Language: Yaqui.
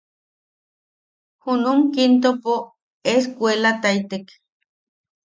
Junum Kintopo es- cuelataitek.